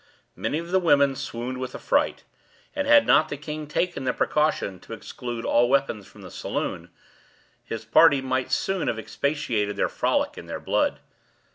Many of the women swooned with affright; and had not the king taken the precaution to exclude all weapons from the saloon, his party might soon have expiated their frolic in their blood.